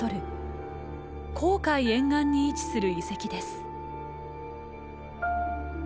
紅海沿岸に位置する遺跡です。